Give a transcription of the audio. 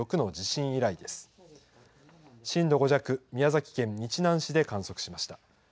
震度５弱、宮崎県日南市で観測しました。